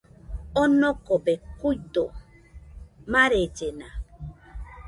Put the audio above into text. Onokobe kuido, marellena